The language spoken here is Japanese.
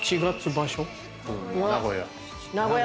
名古屋。